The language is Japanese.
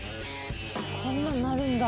こんなんなるんだ。